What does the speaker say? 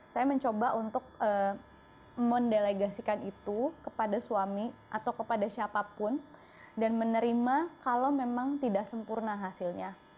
saya mencoba untuk mendelegasikan itu kepada suami atau kepada siapapun dan menerima kalau memang tidak sempurna hasilnya